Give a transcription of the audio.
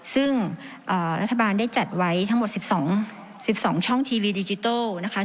ซึ่งรัฐบาลได้จัดไว้ทั้งหมด๑๒ช่องทีวีดิจิทัลนะคะ